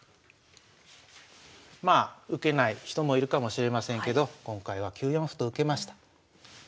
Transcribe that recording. まあ受けない人もいるかもしれませんけど今回は９四歩と受けました。